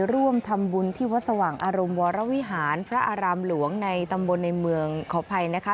ร่วมทำบุญที่วัดสว่างอารมณ์วรวิหารพระอารามหลวงในตำบลในเมืองขออภัยนะคะ